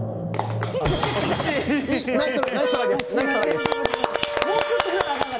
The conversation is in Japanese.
ナイストライです。